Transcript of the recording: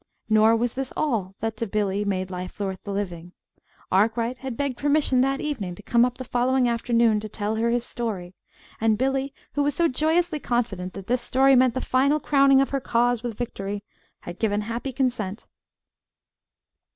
Nor was this all that, to Billy, made life worth the living: Arkwright had begged permission that evening to come up the following afternoon to tell her his "story"; and Billy, who was so joyously confident that this story meant the final crowning of her Cause with victory, had given happy consent.